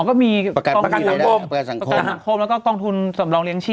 ก็มีประกันสังคมประกันสังคมแล้วก็กองทุนสำรองเลี้ยชีพ